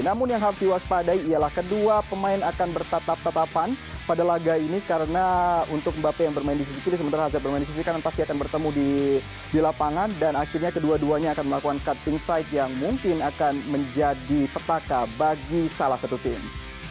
namun yang harus diwaspadai ialah kedua pemain akan bertatap tetapan pada laga ini karena untuk mbappe yang bermain di sisi kiri sementara hazar bermain di sisi kanan pasti akan bertemu di lapangan dan akhirnya kedua duanya akan melakukan cutting side yang mungkin akan menjadi petaka bagi salah satu tim